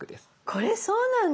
これそうなんだ！